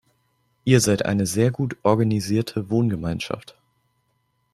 Ihr seid eine sehr gut organisierte Wohngemeinschaft.